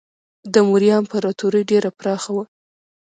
د موریا امپراتوري ډیره پراخه وه.